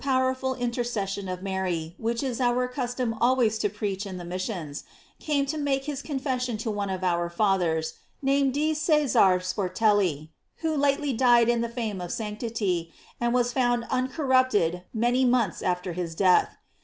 erful intercession of Mary, which it is our cus« torn always to preach in the missions, came to make his confession to one of our Fathers, nam ed D. Cesar Sportelli, who lately died in the fame of sanctity, and was found uncorrupted many months after his death.